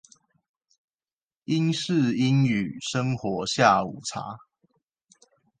英式英語生活下午茶